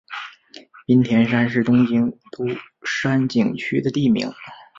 滨田山是东京都杉并区的地名。